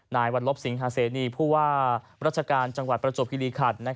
นายวันลบสิงหาเซนีพูดว่าบริษจังหวัดประจบคริรีขัด